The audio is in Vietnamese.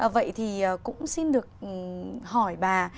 vậy thì cũng xin được hỏi bà